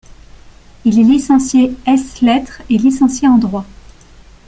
Il est licencié ès lettres et licencié en droit.